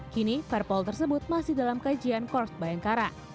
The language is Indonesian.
kini perpol tersebut masih dalam kajian kors bayangkara